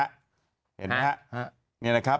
นี่นะครับส่งมาเลยนะครับ